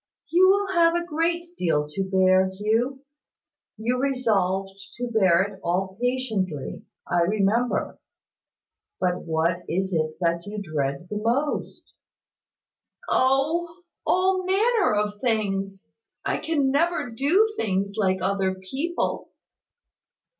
You will have a great deal to bear, Hugh. You resolved to bear it all patiently, I remember: but what is it that you dread the most?" "Oh! All manner of things. I can never do things like other people."